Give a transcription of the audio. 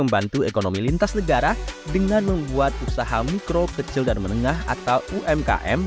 membantu ekonomi lintas negara dengan membuat usaha mikro kecil dan menengah atau umkm